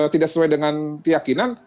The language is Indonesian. tidak sesuai dengan keyakinan